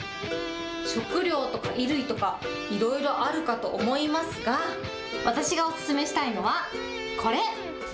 食料とか衣類とか、いろいろあるかと思いますが、私がお勧めしたいのはこれ。